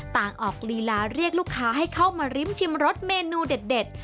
ต่างออกลีลาเรียกลูกค้าให้เข้ามาริ้มชิมรสเมนูเด็ด